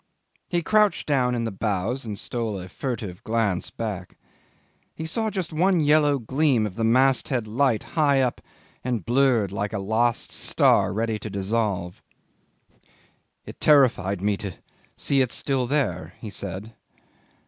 He crouched down in the bows and stole a furtive glance back. He saw just one yellow gleam of the mast head light high up and blurred like a last star ready to dissolve. "It terrified me to see it still there," he said.